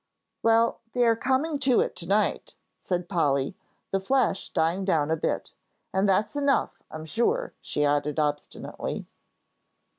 "Well, they are coming to it to night," said Polly, the flash dying down a bit, "and that's enough, I'm sure," she added obstinately.